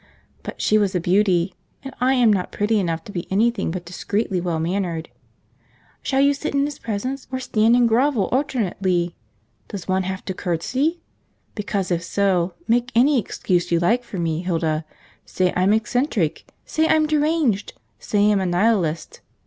but she was a beauty, and I am not pretty enough to be anything but discreetly well mannered. Shall you sit in his presence, or stand and grovel alternately? Does one have to curtsy? Very well, then, make any excuses you like for me, Hilda: say I'm eccentric, say I'm deranged, say I'm a Nihilist.